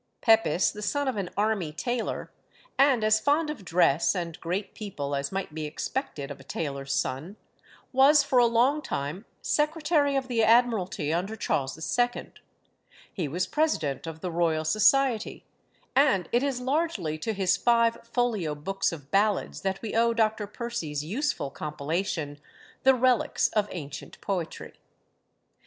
Pepys, the son of an army tailor, and as fond of dress and great people as might be expected of a tailor's son, was for a long time Secretary of the Admiralty under Charles II. He was President of the Royal Society; and it is largely to his five folio books of ballads that we owe Dr. Percy's useful compilation, The Relics of Ancient Poetry.